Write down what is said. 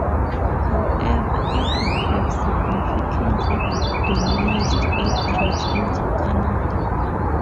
However, it would have significantly diminished its reach into Canada.